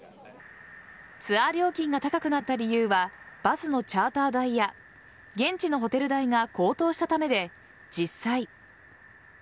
ツアー料金が高くなった理由はバスのチャーター代や現地のホテル代が高騰したためで実際。